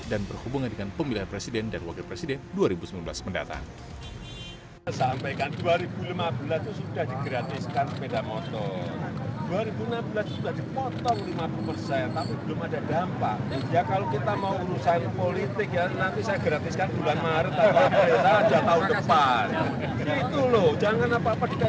dan berhubungan dengan pemilihan presiden dan wakil presiden dua ribu sembilan belas mendatang